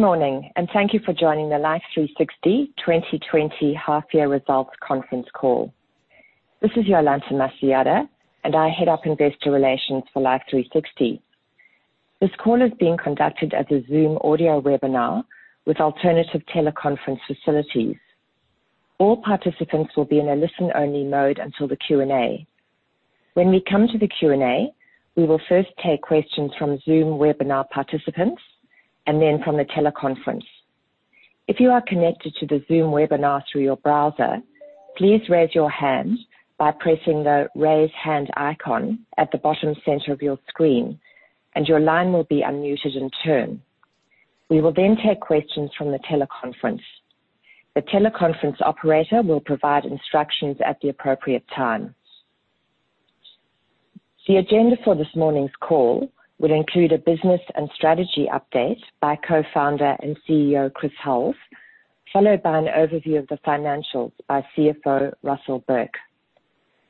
Good morning. Thank you for joining the Life360 2020 half-year results conference call. This is Yolande Masiahe, and I head up investor relations for Life360. This call is being conducted as a Zoom audio webinar with alternative teleconference facilities. All participants will be in a listen-only mode until the Q&A. When we come to the Q&A, we will first take questions from Zoom webinar participants and then from the teleconference. If you are connected to the Zoom webinar through your browser, please raise your hand by pressing the raise hand icon at the bottom center of your screen, and your line will be unmuted in turn. We will take questions from the teleconference. The teleconference operator will provide instructions at the appropriate time. The agenda for this morning's call will include a business and strategy update by Co-founder and CEO, Chris Hulls, followed by an overview of the financials by CFO Russell Burke.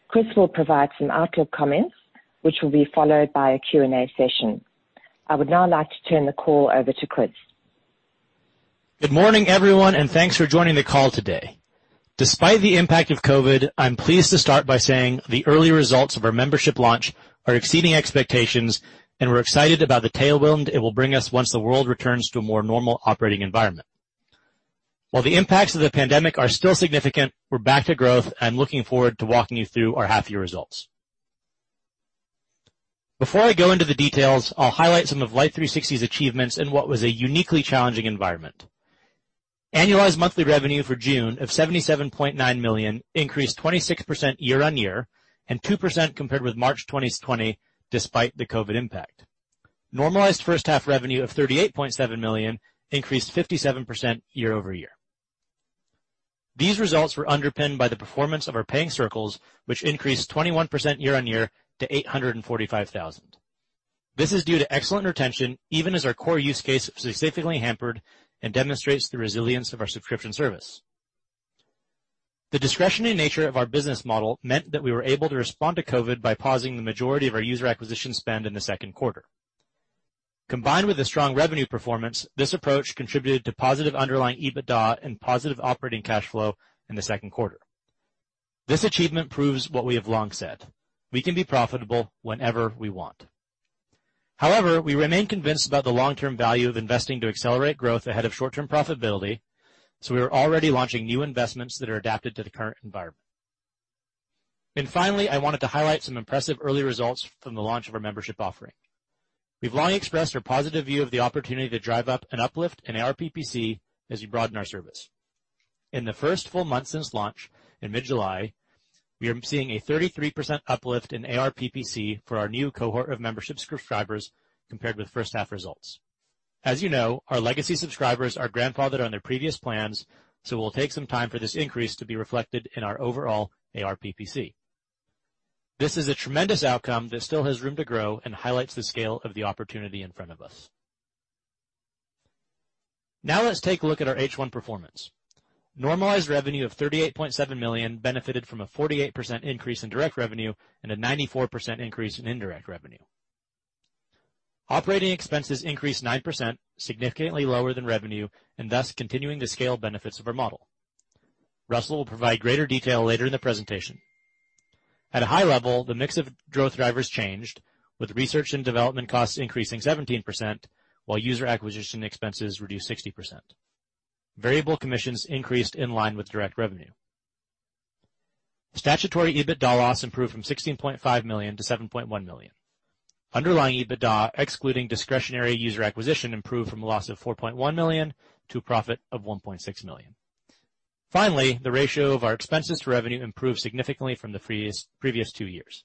Chris will provide some outlook comments, which will be followed by a Q&A session. I would now like to turn the call over to Chris. Good morning, everyone, and thanks for joining the call today. Despite the impact of COVID, I'm pleased to start by saying the early results of our membership launch are exceeding expectations, and we're excited about the tailwind it will bring us once the world returns to a more normal operating environment. While the impacts of the pandemic are still significant, we're back to growth and looking forward to walking you through our half-year results. Before I go into the details, I'll highlight some of Life360's achievements in what was a uniquely challenging environment. Annualized monthly revenue for June of $77.9 million increased 26% year-on-year and 2% compared with March 2020, despite the COVID impact. Normalized first half revenue of $38.7 million increased 57% year-over-year. These results were underpinned by the performance of our paying circles, which increased 21% year-on-year to 845,000. This is due to excellent retention, even as our core use case was significantly hampered and demonstrates the resilience of our subscription service. The discretionary nature of our business model meant that we were able to respond to COVID by pausing the majority of our user acquisition spend in the second quarter. Combined with the strong revenue performance, this approach contributed to positive underlying EBITDA and positive operating cash flow in the second quarter. This achievement proves what we have long said: We can be profitable whenever we want. However, we remain convinced about the long-term value of investing to accelerate growth ahead of short-term profitability. We are already launching new investments that are adapted to the current environment. Finally, I wanted to highlight some impressive early results from the launch of our membership offering. We've long expressed our positive view of the opportunity to drive up an uplift in ARPPC as we broaden our service. In the first full month since launch in mid-July, we are seeing a 33% uplift in ARPPC for our new cohort of membership subscribers compared with first half results. As you know, our legacy subscribers are grandfathered on their previous plans, so it will take some time for this increase to be reflected in our overall ARPPC. This is a tremendous outcome that still has room to grow and highlights the scale of the opportunity in front of us. Let's take a look at our H1 performance. Normalized revenue of $38.7 million benefited from a 48% increase in direct revenue and a 94% increase in indirect revenue. Operating expenses increased 9%, significantly lower than revenue, and thus continuing the scale benefits of our model. Russell will provide greater detail later in the presentation. At a high level, the mix of growth drivers changed, with research and development costs increasing 17%, while user acquisition expenses reduced 60%. Variable commissions increased in line with direct revenue. Statutory EBITDA loss improved from $16.5 million to $7.1 million. Underlying EBITDA, excluding discretionary user acquisition, improved from a loss of $4.1 million to a profit of $1.6 million. Finally, the ratio of our expenses to revenue improved significantly from the previous two years.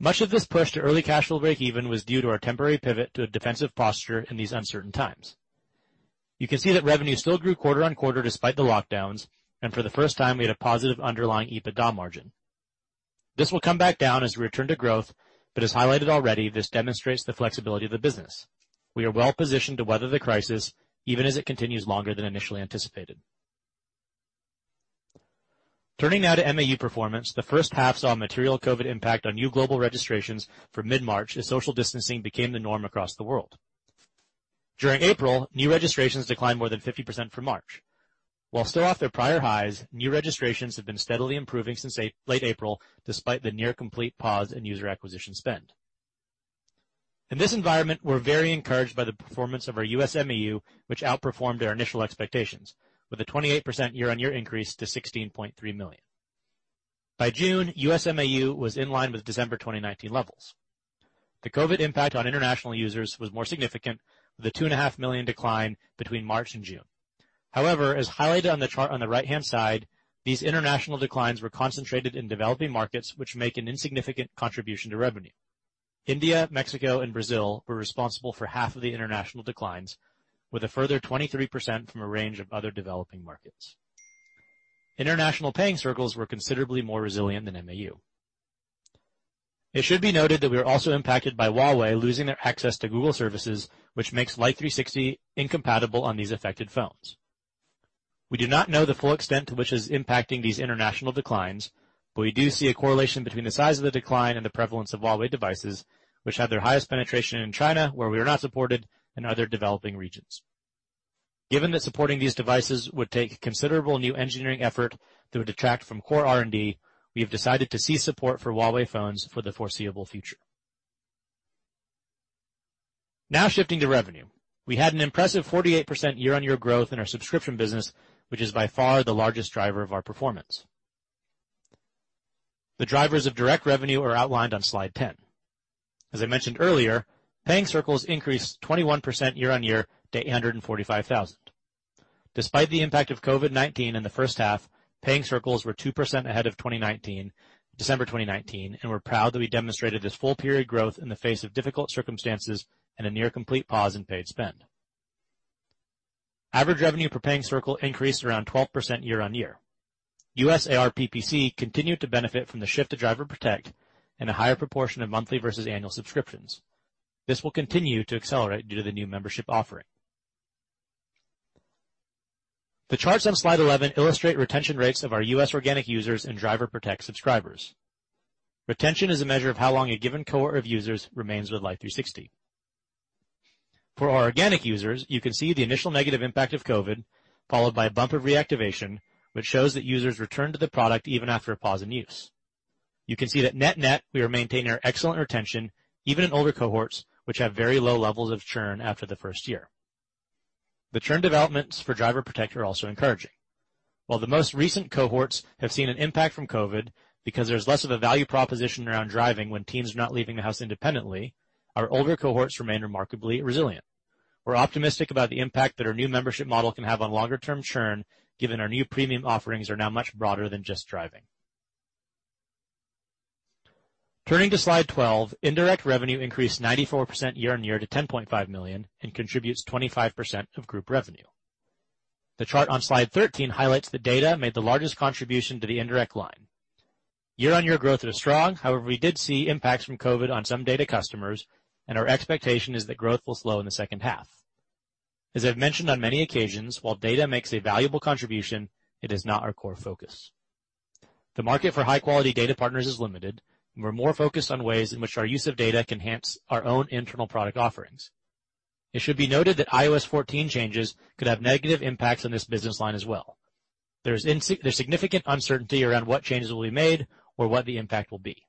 Much of this push to early cash flow breakeven was due to our temporary pivot to a defensive posture in these uncertain times. You can see that revenue still grew quarter-on-quarter despite the lockdowns, and for the first time, we had a positive underlying EBITDA margin. This will come back down as we return to growth, but as highlighted already, this demonstrates the flexibility of the business. We are well positioned to weather the crisis even as it continues longer than initially anticipated. Turning now to MAU performance. The first half saw a material COVID impact on new global registrations from mid-March as social distancing became the norm across the world. During April, new registrations declined more than 50% from March. While still off their prior highs, new registrations have been steadily improving since late April, despite the near complete pause in user acquisition spend. In this environment, we're very encouraged by the performance of our U.S. MAU, which outperformed our initial expectations with a 28% year-on-year increase to 16.3 million. By June, U.S. MAU was in line with December 2019 levels. The COVID impact on international users was more significant, with a 2.5 million decline between March and June. As highlighted on the chart on the right-hand side, these international declines were concentrated in developing markets which make an insignificant contribution to revenue. India, Mexico, and Brazil were responsible for half of the international declines, with a further 23% from a range of other developing markets. International paying circles were considerably more resilient than MAU. It should be noted that we were also impacted by Huawei losing their access to Google services, which makes Life360 incompatible on these affected phones. We do not know the full extent to which it is impacting these international declines, but we do see a correlation between the size of the decline and the prevalence of Huawei devices, which have their highest penetration in China, where we are not supported, and other developing regions. Given that supporting these devices would take considerable new engineering effort that would detract from core R&D, we have decided to cease support for Huawei phones for the foreseeable future. Shifting to revenue. We had an impressive 48% year-on-year growth in our subscription business, which is by far the largest driver of our performance. The drivers of direct revenue are outlined on slide 10. As I mentioned earlier, paying circles increased 21% year-on-year to 845,000. Despite the impact of COVID-19 in the first half, paying circles were 2% ahead of December 2019. We're proud that we demonstrated this full period growth in the face of difficult circumstances and a near complete pause in paid spend. Average revenue per paying circle increased around 12% year-on-year. U.S. ARPPC continued to benefit from the shift to Driver Protect and a higher proportion of monthly versus annual subscriptions. This will continue to accelerate due to the new membership offering. The charts on slide 11 illustrate retention rates of our U.S. organic users and Driver Protect subscribers. Retention is a measure of how long a given cohort of users remains with Life360. For our organic users, you can see the initial negative impact of COVID, followed by a bump of reactivation, which shows that users return to the product even after a pause in use. You can see that net-net, we are maintaining our excellent retention, even in older cohorts, which have very low levels of churn after the first year. The churn developments for Driver Protect are also encouraging. While the most recent cohorts have seen an impact from COVID because there's less of a value proposition around driving when teens are not leaving the house independently, our older cohorts remain remarkably resilient. We're optimistic about the impact that our new membership model can have on longer term churn, given our new premium offerings are now much broader than just driving. Turning to slide 12, indirect revenue increased 94% year-on-year to $10.5 million and contributes 25% of group revenue. The chart on slide 13 highlights the data made the largest contribution to the indirect line. Year-on-year growth is strong, however, we did see impacts from COVID on some data customers, and our expectation is that growth will slow in the second half. As I've mentioned on many occasions, while data makes a valuable contribution, it is not our core focus. The market for high-quality data partners is limited, and we're more focused on ways in which our use of data can enhance our own internal product offerings. It should be noted that iOS 14 changes could have negative impacts on this business line as well. There's significant uncertainty around what changes will be made or what the impact will be.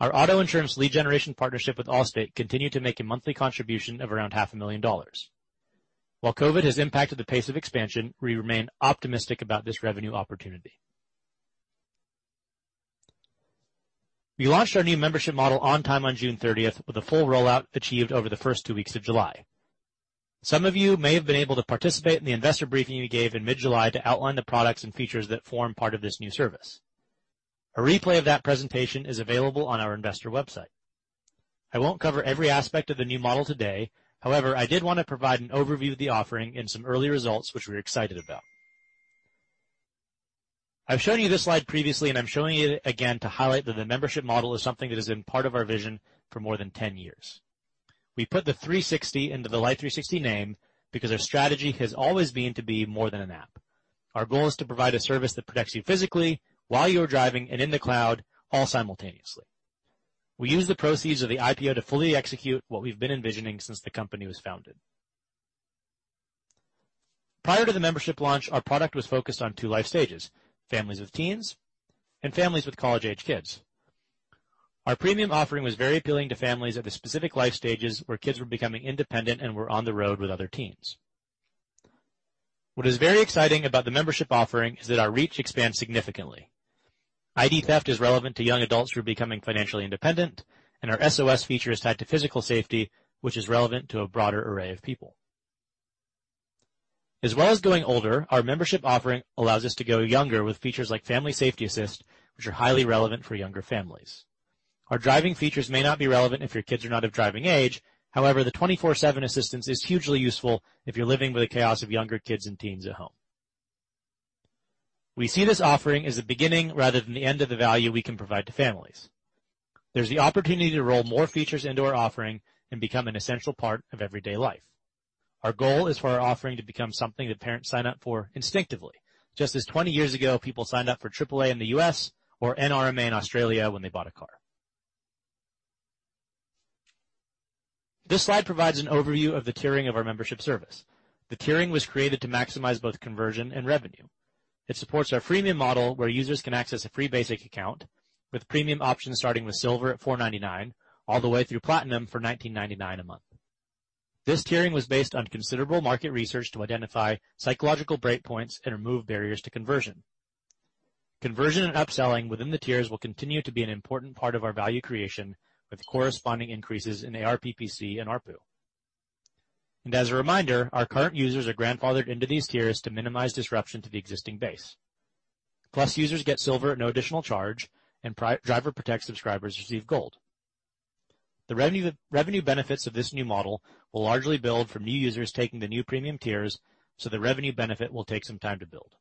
Our auto insurance lead generation partnership with Allstate continued to make a monthly contribution of around half a million dollars. While COVID has impacted the pace of expansion, we remain optimistic about this revenue opportunity. We launched our new membership model on time on June 30th with a full rollout achieved over the first two weeks of July. Some of you may have been able to participate in the investor briefing we gave in mid-July to outline the products and features that form part of this new service. A replay of that presentation is available on our investor website. I won't cover every aspect of the new model today. I did want to provide an overview of the offering and some early results, which we're excited about. I've shown you this slide previously, and I'm showing you again to highlight that the membership model is something that has been part of our vision for more than 10 years. We put the 360 into the Life360 name because our strategy has always been to be more than an app. Our goal is to provide a service that protects you physically while you are driving and in the cloud all simultaneously. We use the proceeds of the IPO to fully execute what we've been envisioning since the company was founded. Prior to the membership launch, our product was focused on two life stages, families with teens and families with college-age kids. Our premium offering was very appealing to families at the specific life stages where kids were becoming independent and were on the road with other teens. What is very exciting about the membership offering is that our reach expands significantly. ID theft is relevant to young adults who are becoming financially independent, and our SOS feature is tied to physical safety, which is relevant to a broader array of people. As well as going older, our membership offering allows us to go younger with features like Family Safety Assist, which are highly relevant for younger families. Our driving features may not be relevant if your kids are not of driving age. However, the 24/7 assistance is hugely useful if you're living with the chaos of younger kids and teens at home. We see this offering as the beginning rather than the end of the value we can provide to families. There's the opportunity to roll more features into our offering and become an essential part of everyday life. Our goal is for our offering to become something that parents sign up for instinctively. Just as 20 years ago, people signed up for AAA in the U.S. or NRMA in Australia when they bought a car. This slide provides an overview of the tiering of our membership service. The tiering was created to maximize both conversion and revenue. It supports our freemium model where users can access a free basic account with premium options starting with Silver at $4.99 all the way through Platinum for $19.99 a month. This tiering was based on considerable market research to identify psychological breakpoints and remove barriers to conversion. Conversion and upselling within the tiers will continue to be an important part of our value creation, with corresponding increases in ARPPC and ARPU. As a reminder, our current users are grandfathered into these tiers to minimize disruption to the existing base. Plus users get Silver at no additional charge, and Driver Protect subscribers receive Gold. The revenue benefits of this new model will largely build from new users taking the new premium tiers, so the revenue benefit will take some time to build.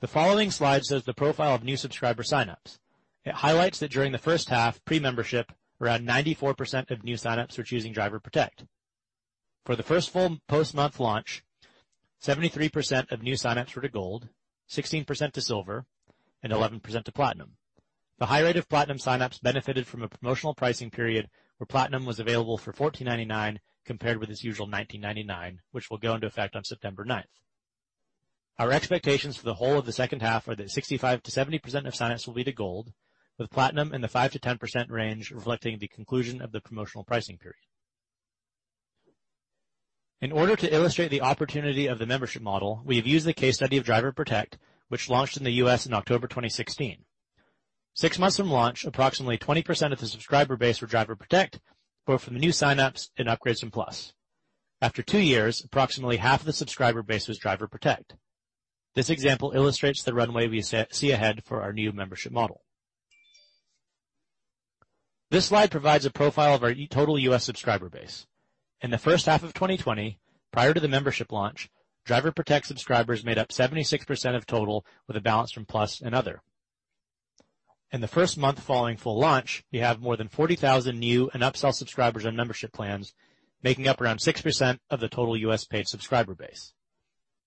The following slide shows the profile of new subscriber signups. It highlights that during the first half pre-membership, around 94% of new signups were choosing Driver Protect. For the first full post-month launch, 73% of new signups were to Gold, 16% to Silver, and 11% to Platinum. The high rate of Platinum signups benefited from a promotional pricing period where Platinum was available for $14.99, compared with its usual $19.99, which will go into effect on September 9th. Our expectations for the whole of the second half are that 65%-70% of signups will be to Gold, with Platinum in the 5%-10% range, reflecting the conclusion of the promotional pricing period. In order to illustrate the opportunity of the membership model, we have used the case study of Driver Protect, which launched in the U.S. in October 2016. Six months from launch, approximately 20% of the subscriber base for Driver Protect were from the new signups and upgrades from Plus. After two years, approximately half of the subscriber base was Driver Protect. This example illustrates the runway we see ahead for our new membership model. This slide provides a profile of our total U.S. subscriber base. In the first half of 2020, prior to the membership launch, Driver Protect subscribers made up 76% of total, with a balance from Plus and other. In the first month following full launch, we have more than 40,000 new and upsell subscribers on membership plans, making up around 6% of the total U.S. paid subscriber base.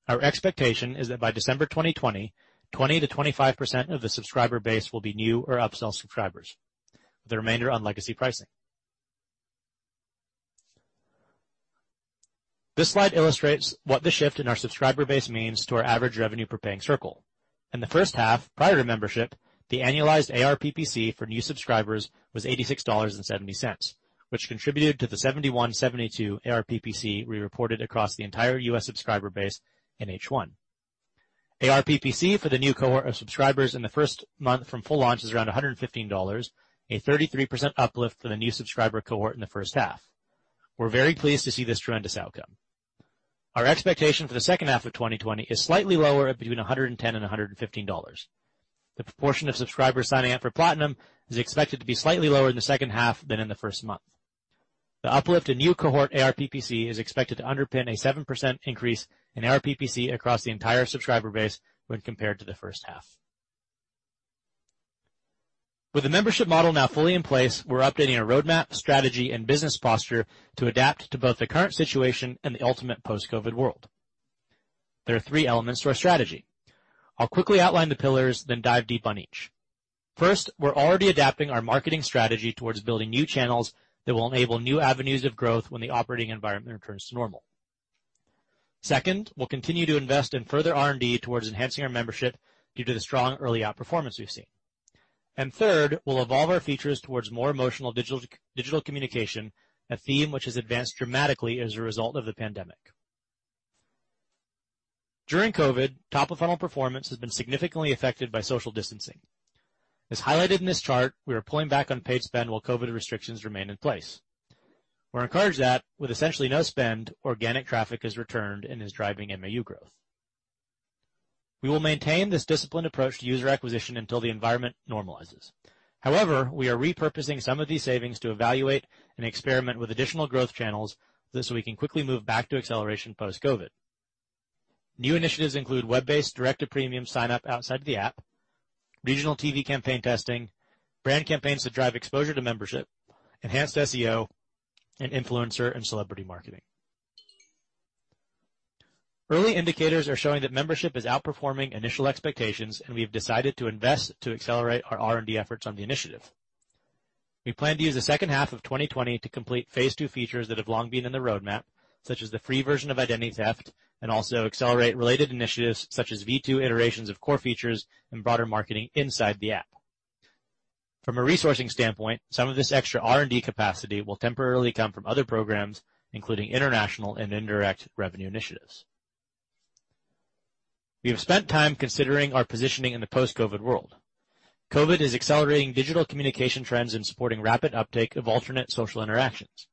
Our expectation is that by December 2020, 20%-25% of the subscriber base will be new or upsell subscribers, the remainder on legacy pricing. This slide illustrates what the shift in our subscriber base means to our average revenue per paying circle. In the first half, prior to membership, the annualized ARPPC for new subscribers was $86.70, which contributed to the $71.72 ARPPC we reported across the entire U.S. subscriber base in H1. ARPPC for the new cohort of subscribers in the first month from full launch is around $115, a 33% uplift for the new subscriber cohort in the first half. We're very pleased to see this tremendous outcome. Our expectation for the second half of 2020 is slightly lower at between $110 and $115. The proportion of subscribers signing up for Platinum is expected to be slightly lower in the second half than in the first month. The uplift in new cohort ARPPC is expected to underpin a 7% increase in ARPPC across the entire subscriber base when compared to the first half. With the membership model now fully in place, we're updating our roadmap, strategy, and business posture to adapt to both the current situation and the ultimate post-COVID world. There are three elements to our strategy. I'll quickly outline the pillars, then dive deep on each. First, we're already adapting our marketing strategy towards building new channels that will enable new avenues of growth when the operating environment returns to normal. Second, we'll continue to invest in further R&D towards enhancing our membership due to the strong early outperformance we've seen. Third, we'll evolve our features towards more emotional digital communication, a theme which has advanced dramatically as a result of the pandemic. During COVID, top-of-funnel performance has been significantly affected by social distancing. As highlighted in this chart, we are pulling back on paid spend while COVID restrictions remain in place. We're encouraged that with essentially no spend, organic traffic has returned and is driving MAU growth. We will maintain this disciplined approach to user acquisition until the environment normalizes. However, we are repurposing some of these savings to evaluate and experiment with additional growth channels, so we can quickly move back to acceleration post-COVID. New initiatives include web-based direct to premium signup outside the app, regional TV campaign testing, brand campaigns that drive exposure to membership, enhanced SEO, and influencer and celebrity marketing. Early indicators are showing that membership is outperforming initial expectations, and we have decided to invest to accelerate our R&D efforts on the initiative. We plan to use the second half of 2020 to complete phase two features that have long been in the roadmap, such as the free version of identity theft, and also accelerate related initiatives such as V2 iterations of core features and broader marketing inside the app. From a resourcing standpoint, some of this extra R&D capacity will temporarily come from other programs, including international and indirect revenue initiatives. We have spent time considering our positioning in the post-COVID world. COVID is accelerating digital communication trends and supporting rapid uptake of alternate social interactions.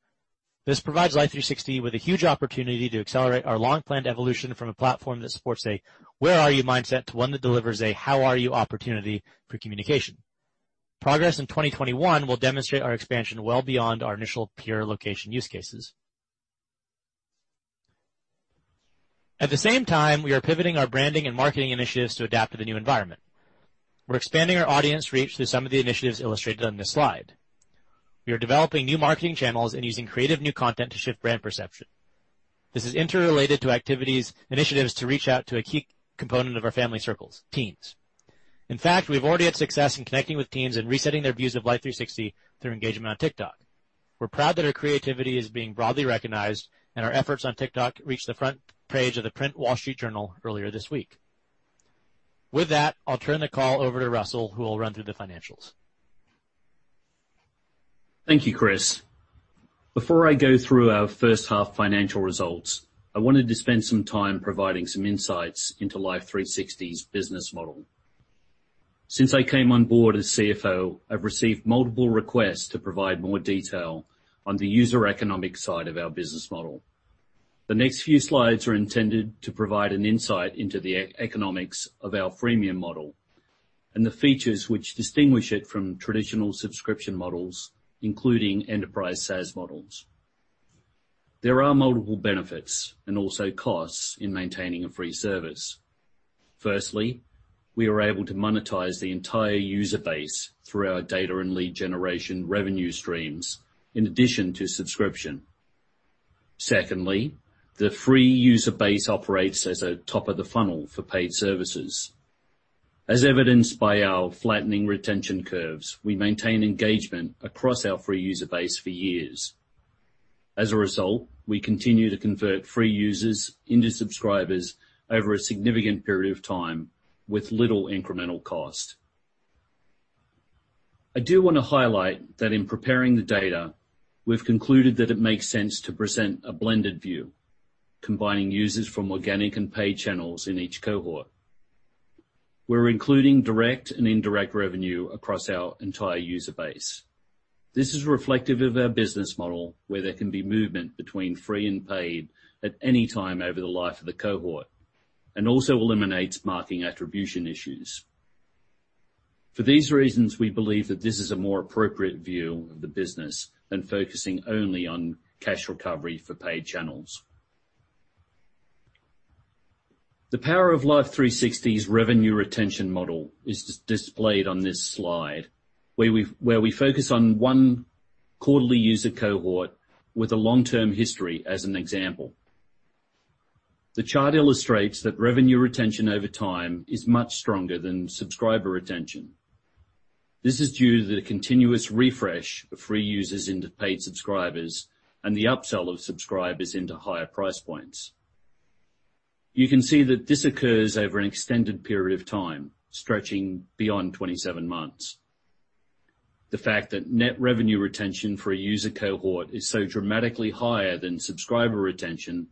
This provides Life360 with a huge opportunity to accelerate our long-planned evolution from a platform that supports a where are you mindset to one that delivers a how are you opportunity for communication. Progress in 2021 will demonstrate our expansion well beyond our initial pure location use cases. At the same time, we are pivoting our branding and marketing initiatives to adapt to the new environment. We are expanding our audience reach through some of the initiatives illustrated on this slide. We are developing new marketing channels and using creative new content to shift brand perception. This is interrelated to initiatives to reach out to a key component of our family circles, teens. In fact, we have already had success in connecting with teens and resetting their views of Life360 through engagement on TikTok. We're proud that our creativity is being broadly recognized, and our efforts on TikTok reached the front page of the print Wall Street Journal earlier this week. With that, I'll turn the call over to Russell, who will run through the financials. Thank you, Chris Hulls. Before I go through our first half financial results, I wanted to spend some time providing some insights into Life360's business model. Since I came on board as CFO, I've received multiple requests to provide more detail on the user economic side of our business model. The next few slides are intended to provide an insight into the economics of our freemium model and the features which distinguish it from traditional subscription models, including enterprise SaaS models. There are multiple benefits and also costs in maintaining a free service. Firstly, we are able to monetize the entire user base through our data and lead generation revenue streams, in addition to subscription. Secondly, the free user base operates as a top of the funnel for paid services. As evidenced by our flattening retention curves, we maintain engagement across our free user base for years. As a result, we continue to convert free users into subscribers over a significant period of time with little incremental cost. I do want to highlight that in preparing the data, we've concluded that it makes sense to present a blended view, combining users from organic and paid channels in each cohort. We're including direct and indirect revenue across our entire user base. This is reflective of our business model, where there can be movement between free and paid at any time over the life of the cohort, and also eliminates marketing attribution issues. For these reasons, we believe that this is a more appropriate view of the business than focusing only on cash recovery for paid channels. The power of Life360's revenue retention model is displayed on this slide, where we focus on one quarterly user cohort with a long-term history as an example. The chart illustrates that revenue retention over time is much stronger than subscriber retention. This is due to the continuous refresh of free users into paid subscribers and the upsell of subscribers into higher price points. You can see that this occurs over an extended period of time, stretching beyond 27 months. The fact that net revenue retention for a user cohort is so dramatically higher than subscriber retention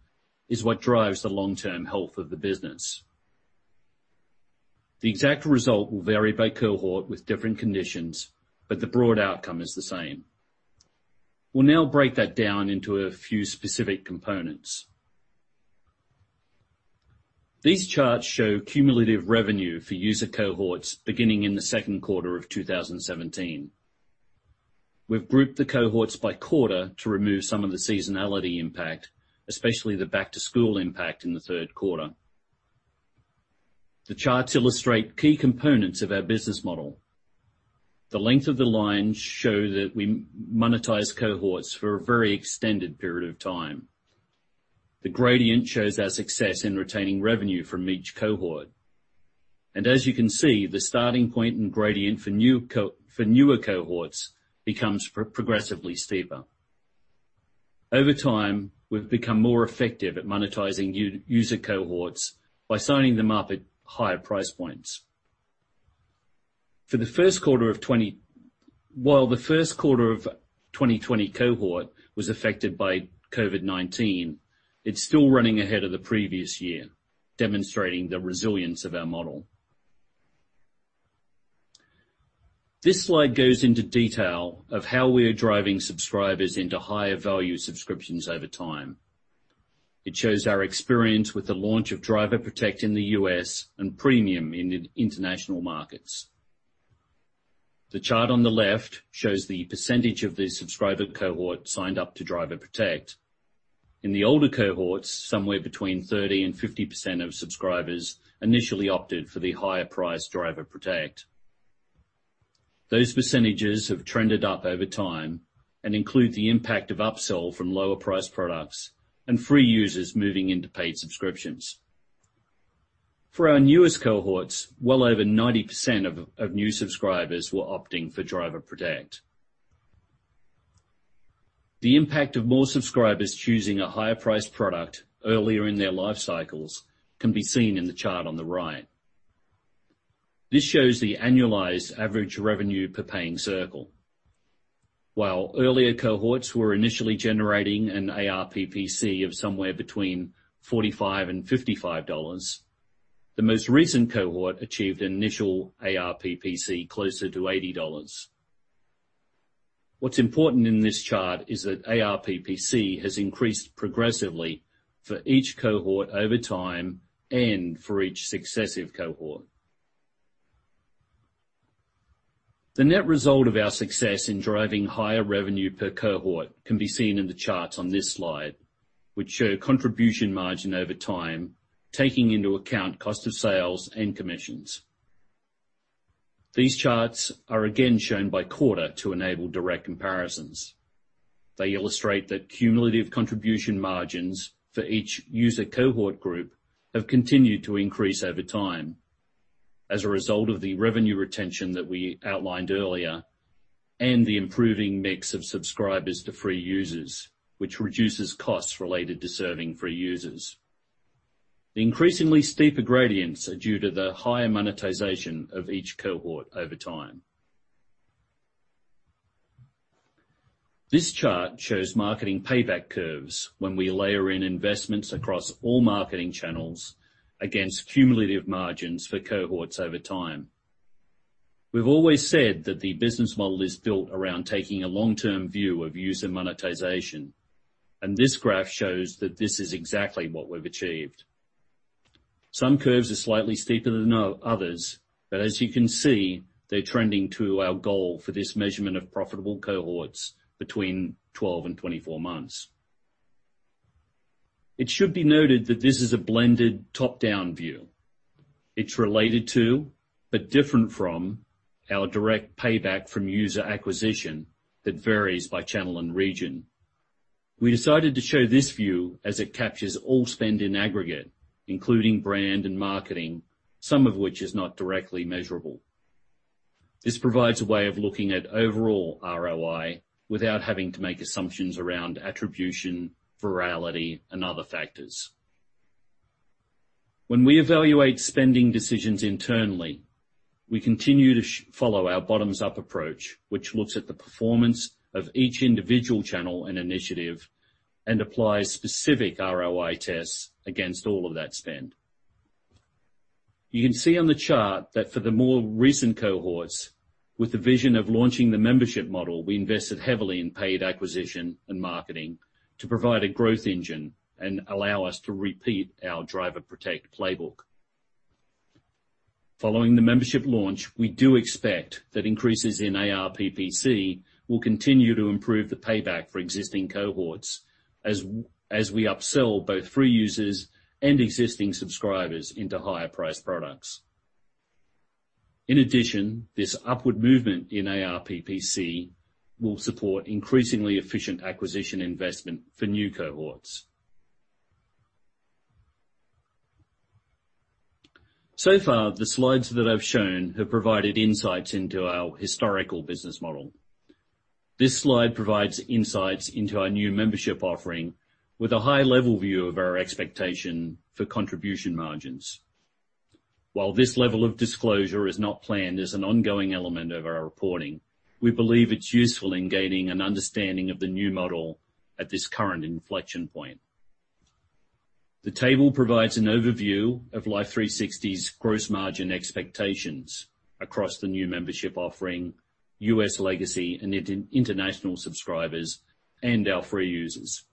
is what drives the long-term health of the business. The exact result will vary by cohort with different conditions, but the broad outcome is the same. We'll now break that down into a few specific components. These charts show cumulative revenue for user cohorts beginning in the second quarter of 2017. We've grouped the cohorts by quarter to remove some of the seasonality impact, especially the back-to-school impact in the third quarter. The charts illustrate key components of our business model. The length of the line shows that we monetize cohorts for a very extended period of time. The gradient shows our success in retaining revenue from each cohort. As you can see, the starting point and gradient for newer cohorts becomes progressively steeper. Over time, we've become more effective at monetizing user cohorts by signing them up at higher price points. While the first quarter of 2020 cohort was affected by COVID-19, it's still running ahead of the previous year, demonstrating the resilience of our model. This slide goes into detail of how we are driving subscribers into higher value subscriptions over time. It shows our experience with the launch of Driver Protect in the U.S. and Premium in international markets. The chart on the left shows the % of the subscriber cohort signed up to Driver Protect. In the older cohorts, somewhere between 30%-50% of subscribers initially opted for the higher priced Driver Protect. Those percentages have trended up over time and include the impact of upsell from lower priced products and free users moving into paid subscriptions. For our newest cohorts, well over 90% of new subscribers were opting for Driver Protect. The impact of more subscribers choosing a higher priced product earlier in their life cycles can be seen in the chart on the right. This shows the annualized average revenue per paying circle. While earlier cohorts were initially generating an ARPPC of somewhere between $45-$55, the most recent cohort achieved an initial ARPPC closer to $80. What's important in this chart is that ARPPC has increased progressively for each cohort over time and for each successive cohort. The net result of our success in driving higher revenue per cohort can be seen in the charts on this slide, which show contribution margin over time, taking into account cost of sales and commissions. These charts are again shown by quarter to enable direct comparisons. They illustrate that cumulative contribution margins for each user cohort group have continued to increase over time as a result of the revenue retention that we outlined earlier and the improving mix of subscribers to free users, which reduces costs related to serving free users. The increasingly steeper gradients are due to the higher monetization of each cohort over time. This chart shows marketing payback curves when we layer in investments across all marketing channels against cumulative margins for cohorts over time. We've always said that the business model is built around taking a long-term view of user monetization, and this graph shows that this is exactly what we've achieved. Some curves are slightly steeper than others, but as you can see, they're trending to our goal for this measurement of profitable cohorts between 12 and 24 months. It should be noted that this is a blended top-down view. It's related to, but different from, our direct payback from user acquisition that varies by channel and region. We decided to show this view as it captures all spend in aggregate, including brand and marketing, some of which is not directly measurable. This provides a way of looking at overall ROI without having to make assumptions around attribution, virality, and other factors. When we evaluate spending decisions internally, we continue to follow our bottoms-up approach, which looks at the performance of each individual channel and initiative and applies specific ROI tests against all of that spend. You can see on the chart that for the more recent cohorts, with the vision of launching the membership model, we invested heavily in paid acquisition and marketing to provide a growth engine and allow us to repeat our Driver Protect playbook. Following the membership launch, we do expect that increases in ARPPC will continue to improve the payback for existing cohorts as we upsell both free users and existing subscribers into higher priced products. This upward movement in ARPPC will support increasingly efficient acquisition investment for new cohorts. The slides that I've shown have provided insights into our historical business model. This slide provides insights into our new membership offering with a high-level view of our expectation for contribution margins. While this level of disclosure is not planned as an ongoing element of our reporting, we believe it's useful in gaining an understanding of the new model at this current inflection point. The table provides an overview of Life360's gross margin expectations across the new membership offering, U.S. legacy and international subscribers, and our free users.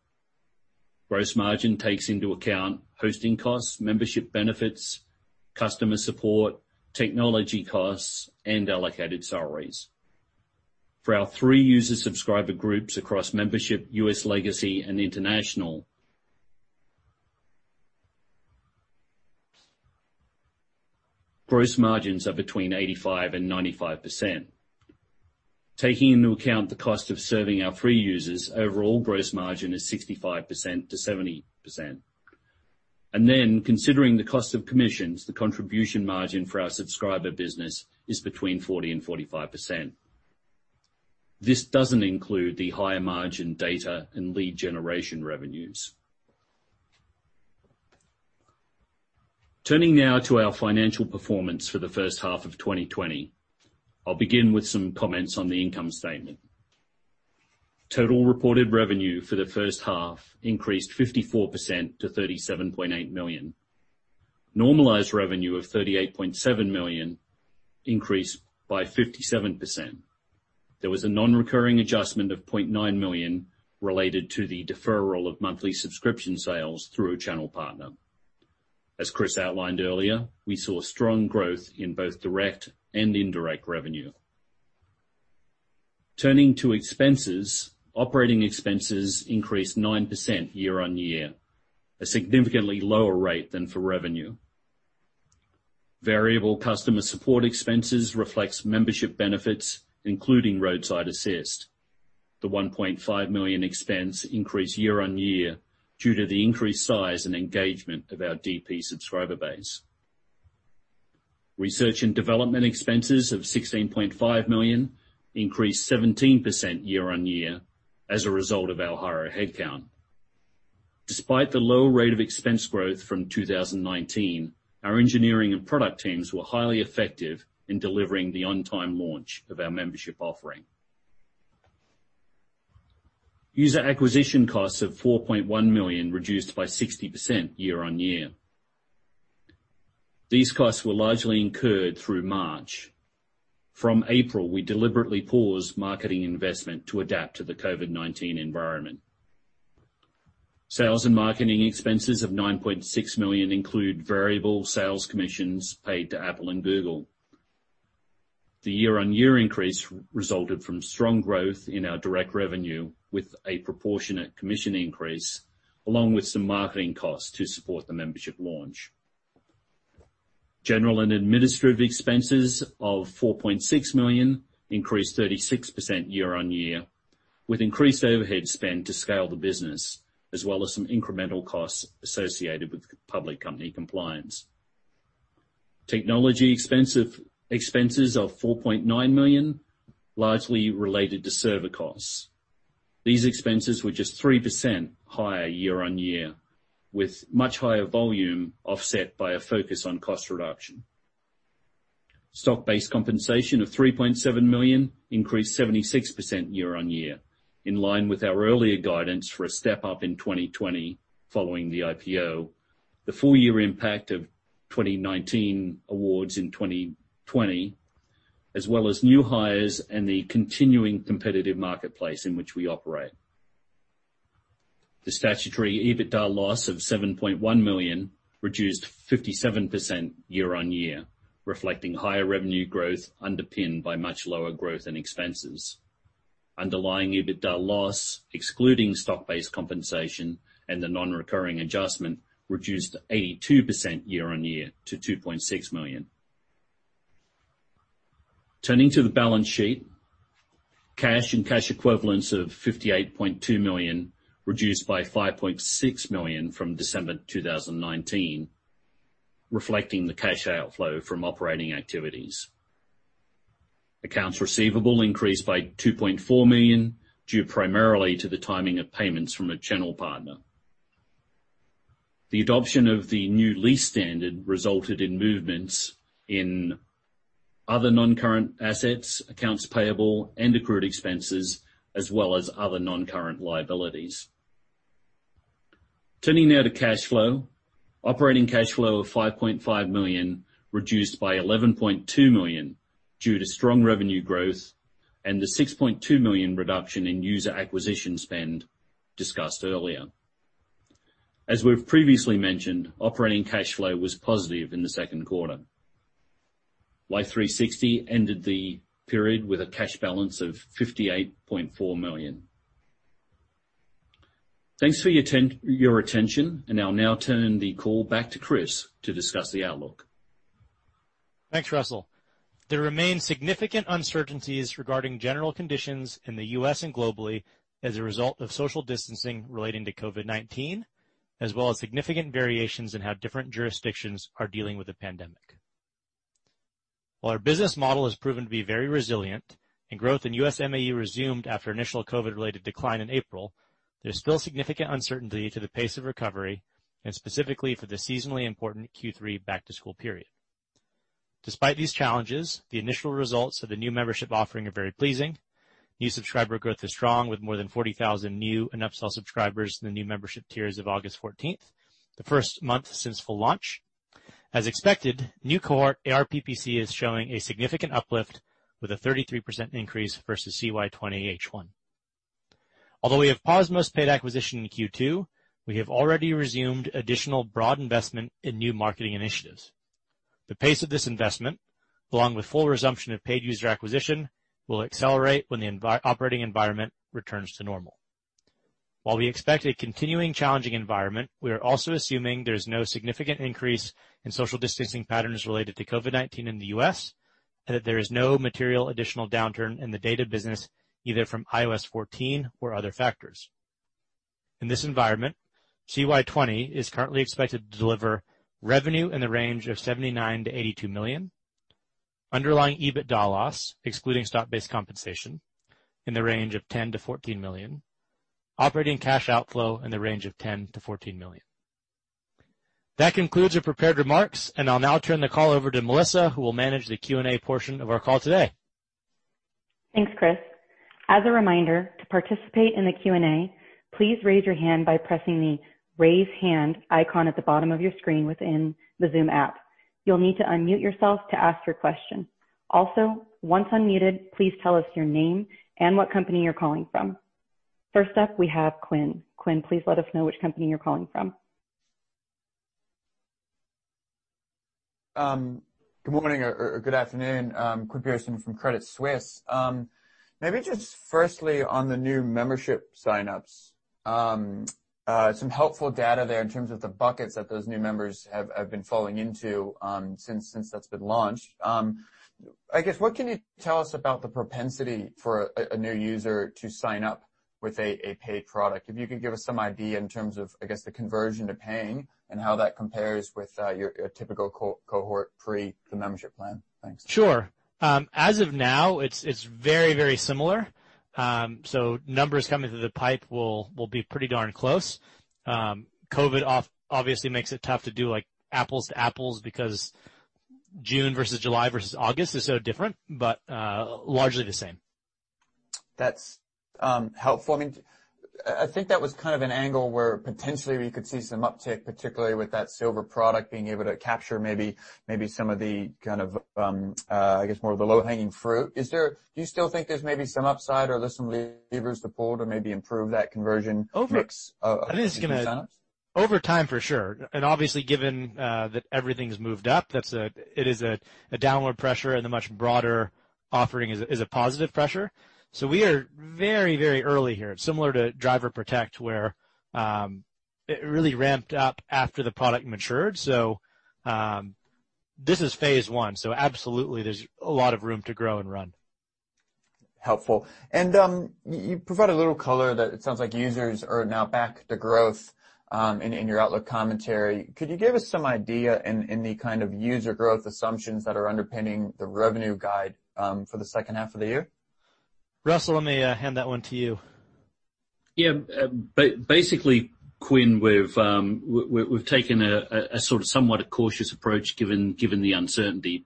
Gross margin takes into account hosting costs, membership benefits, customer support, technology costs, and allocated salaries. For our three user subscriber groups across membership, U.S. legacy, and international, gross margins are between 85% and 95%. Taking into account the cost of serving our free users, overall gross margin is 65%-70%. Then considering the cost of commissions, the contribution margin for our subscriber business is between 40% and 45%. This doesn't include the higher margin data and lead generation revenues. Turning now to our financial performance for the first half of 2020. I'll begin with some comments on the income statement. Total reported revenue for the first half increased 54% to $37.8 million. Normalized revenue of $38.7 million increased by 57%. There was a non-recurring adjustment of $0.9 million related to the deferral of monthly subscription sales through a channel partner. As Chris Hulls outlined earlier, we saw strong growth in both direct and indirect revenue. Turning to expenses, operating expenses increased 9% year-on-year, a significantly lower rate than for revenue. Variable customer support expenses reflects membership benefits, including roadside assist. The $1.5 million expense increased year-on-year due to the increased size and engagement of our DP subscriber base. Research and development expenses of $16.5 million increased 17% year-on-year as a result of our higher headcount. Despite the low rate of expense growth from 2019, our engineering and product teams were highly effective in delivering the on-time launch of our membership offering. User acquisition costs of $4.1 million reduced by 60% year-on-year. These costs were largely incurred through March. From April, we deliberately paused marketing investment to adapt to the COVID-19 environment. Sales and marketing expenses of $9.6 million include variable sales commissions paid to Apple and Google. The year-on-year increase resulted from strong growth in our direct revenue with a proportionate commission increase, along with some marketing costs to support the membership launch. General and administrative expenses of $4.6 million increased 36% year-on-year, with increased overhead spend to scale the business, as well as some incremental costs associated with public company compliance. Technology expenses of $4.9 million largely related to server costs. These expenses were just 3% higher year-on-year, with much higher volume offset by a focus on cost reduction. Stock-based compensation of $3.7 million increased 76% year-on-year, in line with our earlier guidance for a step-up in 2020 following the IPO. The full-year impact of 2019 awards in 2020, as well as new hires and the continuing competitive marketplace in which we operate. The statutory EBITDA loss of $7.1 million reduced 57% year-on-year, reflecting higher revenue growth underpinned by much lower growth in expenses. Underlying EBITDA loss, excluding stock-based compensation and the non-recurring adjustment, reduced 82% year-on-year to $2.6 million. Turning to the balance sheet. Cash and cash equivalents of $58.2 million, reduced by $5.6 million from December 2019, reflecting the cash outflow from operating activities. Accounts receivable increased by $2.4 million, due primarily to the timing of payments from a channel partner. The adoption of the new lease standard resulted in movements in other non-current assets, accounts payable, and accrued expenses, as well as other non-current liabilities. Turning now to cash flow. Operating cash flow of $5.5 million reduced by $11.2 million due to strong revenue growth and the $6.2 million reduction in user acquisition spend discussed earlier. As we've previously mentioned, operating cash flow was positive in the second quarter. Life360 ended the period with a cash balance of $58.4 million. Thanks for your attention. I'll now turn the call back to Chris to discuss the outlook. Thanks, Russell. There remain significant uncertainties regarding general conditions in the U.S. and globally as a result of social distancing relating to COVID-19, as well as significant variations in how different jurisdictions are dealing with the pandemic. While our business model has proven to be very resilient and growth in U.S. MAU resumed after initial COVID-related decline in April, there's still significant uncertainty to the pace of recovery and specifically for the seasonally important Q3 back-to-school period. Despite these challenges, the initial results of the new membership offering are very pleasing. New subscriber growth is strong with more than 40,000 new and upsell subscribers in the new membership tiers of August 14th, the first month since full launch. As expected, new cohort ARPPC is showing a significant uplift with a 33% increase versus CY20 H1. Although we have paused most paid acquisition in Q2, we have already resumed additional broad investment in new marketing initiatives. The pace of this investment, along with full resumption of paid user acquisition, will accelerate when the operating environment returns to normal. While we expect a continuing challenging environment, we are also assuming there's no significant increase in social distancing patterns related to COVID-19 in the U.S., and that there is no material additional downturn in the data business, either from iOS 14 or other factors. In this environment, CY 2020 is currently expected to deliver revenue in the range of $79 million-$82 million, underlying EBITDA loss, excluding stock-based compensation, in the range of $10 million-$14 million, operating cash outflow in the range of $10 million-$14 million. That concludes our prepared remarks, and I'll now turn the call over to Melissa, who will manage the Q&A portion of our call today. Thanks, Chris. As a reminder, to participate in the Q&A, please raise your hand by pressing the raise hand icon at the bottom of your screen within the Zoom app. You'll need to unmute yourself to ask your question. Also, once unmuted, please tell us your name and what company you're calling from. First up, we have Quinn. Quinn, please let us know which company you're calling from. Good morning or good afternoon. Quinn Pierson from Credit Suisse. Maybe just firstly, on the new membership sign-ups. Some helpful data there in terms of the buckets that those new members have been falling into since that's been launched. I guess, what can you tell us about the propensity for a new user to sign up with a paid product? If you could give us some idea in terms of, I guess, the conversion to paying and how that compares with your typical cohort pre the membership plan. Thanks. Sure. As of now, it's very similar. Numbers coming through the pipe will be pretty darn close. COVID obviously makes it tough to do apples to apples because June versus July versus August is so different, but largely the same. That's helpful. I think that was an angle where potentially we could see some uptick, particularly with that Silver product being able to capture maybe some of the, I guess, more of the low-hanging fruit. Do you still think there's maybe some upside or there's some levers to pull to maybe improve that conversion- Over- Mix of new sign-ups? Over time, for sure. Obviously, given that everything's moved up, it is a downward pressure and the much broader offering is a positive pressure. We are very early here. Similar to Driver Protect, where it really ramped up after the product matured. This is phase one, so absolutely there's a lot of room to grow and run. Helpful. You provide a little color that it sounds like users are now back to growth in your outlook commentary. Could you give us some idea in the kind of user growth assumptions that are underpinning the revenue guide for the second half of the year? Russell, let me hand that one to you. Yeah. Basically, Quinn, we've taken a sort of somewhat a cautious approach given the uncertainty.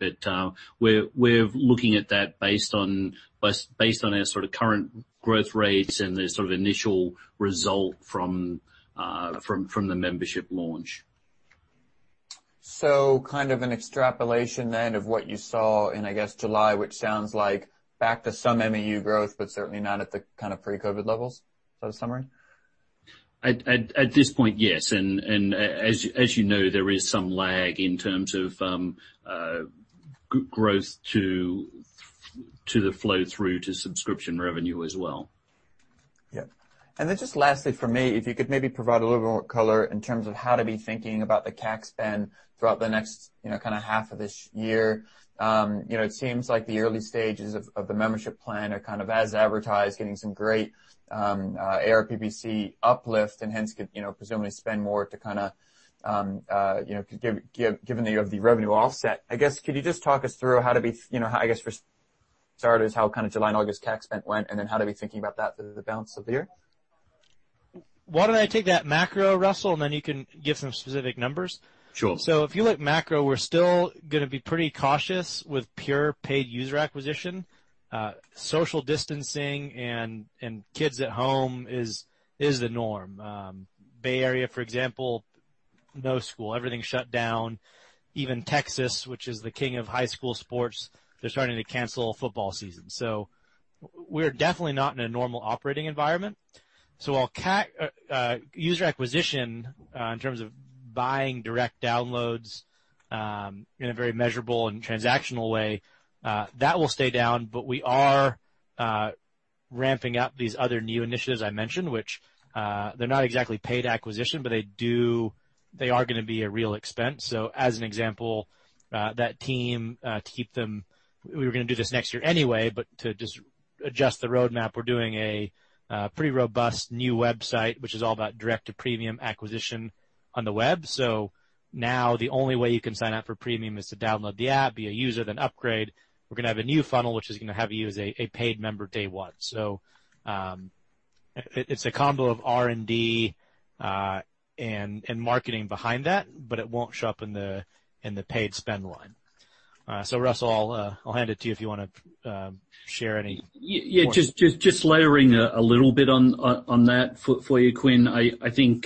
We're looking at that based on our sort of current growth rates and the sort of initial result from the membership launch. Kind of an extrapolation then of what you saw in, I guess, July, which sounds like back to some MAU growth, but certainly not at the kind of pre-COVID levels. Is that a summary? At this point, yes. As you know, there is some lag in terms of growth to the flow through to subscription revenue as well. Yeah. Then just lastly for me, if you could maybe provide a little more color in terms of how to be thinking about the CAC spend throughout the next half of this year. It seems like the early stages of the membership plan are kind of as advertised, getting some great ARPPC uplift and hence could, presumably spend more given that you have the revenue offset. I guess, could you just talk us through how, I guess for starters, how kind of July and August CAC spend went, then how to be thinking about that for the balance of the year? Why don't I take that macro, Russell, and then you can give some specific numbers. Sure. If you look macro, we're still going to be pretty cautious with pure paid user acquisition. Social distancing and kids at home is the norm. Bay Area, for example, no school, everything's shut down. Even Texas, which is the king of high school sports, they're starting to cancel football season. We're definitely not in a normal operating environment. While user acquisition, in terms of buying direct downloads, in a very measurable and transactional way, that will stay down, but we are ramping up these other new initiatives I mentioned, which they're not exactly paid acquisition, but they are going to be a real expense. As an example, that team, to keep them, we were going to do this next year anyway, but to just adjust the roadmap, we're doing a pretty robust new website, which is all about direct to premium acquisition on the web. Now the only way you can sign up for Premium is to download the app, be a user, then upgrade. We're going to have a new funnel, which is going to have you as a paid member day one. It's a combo of R&D and marketing behind that, but it won't show up in the paid spend line. Russell, I'll hand it to you if you want to share any- Yeah, just layering a little bit on that for you, Quinn. I think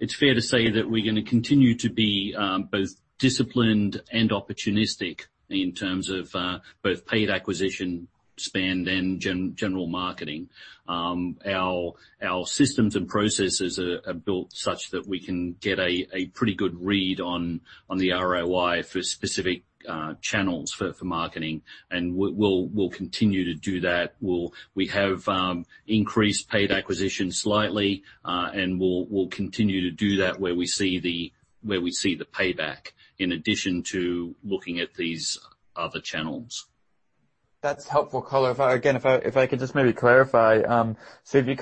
it's fair to say that we're going to continue to be both disciplined and opportunistic in terms of both paid acquisition spend and general marketing. Our systems and processes are built such that we can get a pretty good read on the ROI for specific channels for marketing, and we'll continue to do that. We have increased paid acquisition slightly, and we'll continue to do that where we see the payback in addition to looking at these other channels. That's helpful color. Again, if I could just maybe clarify. If you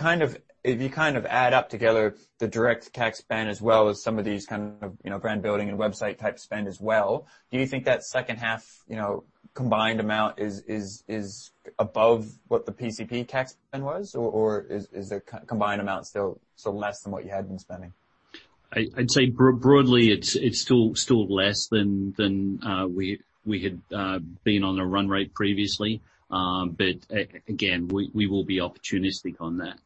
add up together the direct CAC spend as well as some of these brand building and website type spend as well, do you think that second half combined amount is above what the PCP CAC spend was, or is the combined amount still less than what you had been spending? I'd say broadly, it's still less than we had been on a run rate previously. Again, we will be opportunistic on that.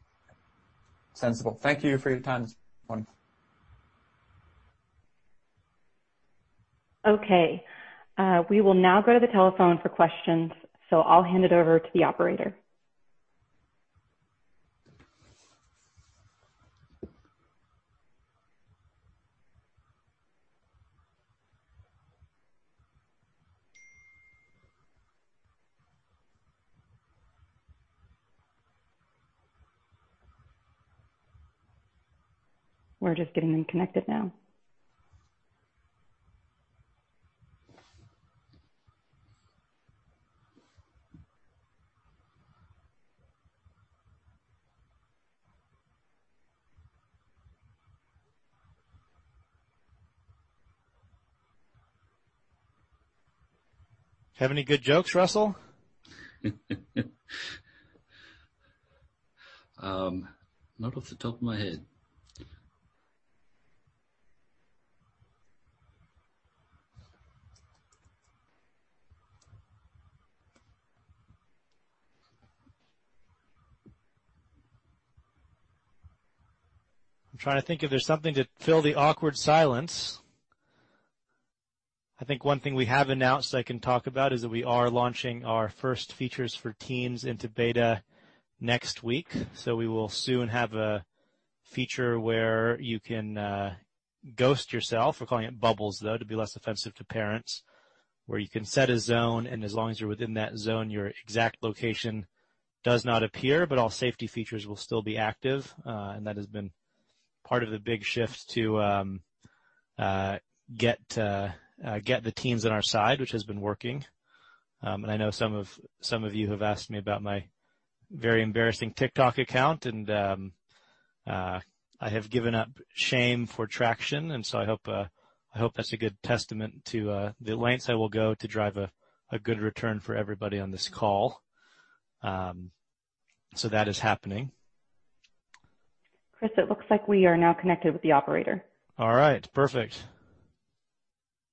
Sensible. Thank you for your time this morning. Okay. We will now go to the telephone for questions, so I'll hand it over to the operator. We're just getting them connected now. Have any good jokes, Russell? Not off the top of my head. I'm trying to think if there's something to fill the awkward silence. I think one thing we have announced I can talk about is that we are launching our first features for teens into beta next week. We will soon have a feature where you can ghost yourself. We're calling it Bubbles, though, to be less offensive to parents, where you can set a zone, and as long as you're within that zone, your exact location does not appear, but all safety features will still be active. That has been part of the big shift to get the teens on our side, which has been working. I know some of you have asked me about my very embarrassing TikTok account. I have given up shame for traction. I hope that's a good testament to the lengths I will go to drive a good return for everybody on this call. That is happening. Chris, it looks like we are now connected with the Operator. All right. Perfect.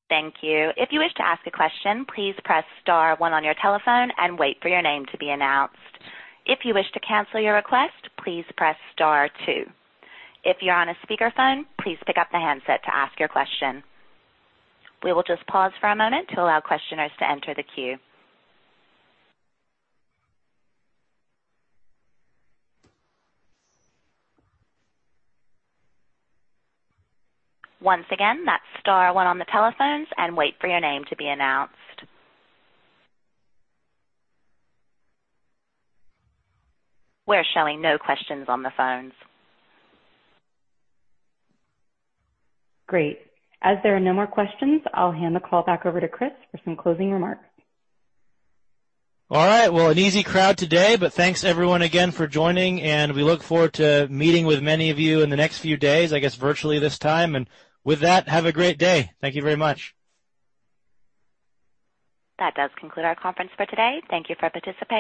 Thank you. If you wish to ask a question, please press star one on your your telephone and wait for your name to be announced. If you wish to cancel your request, please press star two. If you're on a speakerphone, please pick up the handset to ask your question. We will just pause for a moment to allow questioners to enter the queue. Once again, that's star one on the telephones, and wait for your name to be announced. We're showing no questions on the phones. Great. As there are no more questions, I'll hand the call back over to Chris for some closing remarks. All right. Well, an easy crowd today, but thanks everyone again for joining, and we look forward to meeting with many of you in the next few days, I guess, virtually this time. With that, have a great day. Thank you very much. That does conclude our conference for today. Thank you for participating.